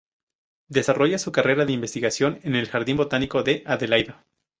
Desarrolla su carrera de investigación en el "Jardín botánico de Adelaida.